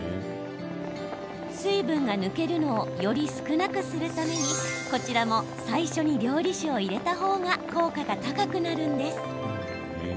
水分が抜けるのをより少なくするためにこちらも最初に料理酒を入れた方が効果が高くなるんです。